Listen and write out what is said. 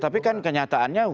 tapi kan kenyataannya